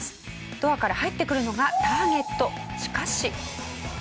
ドアから入ってくるのがターゲット。